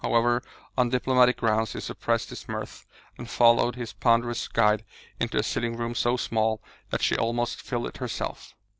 However, on diplomatic grounds he suppressed his mirth, and followed his ponderous guide into a sitting room so small that she almost filled it herself.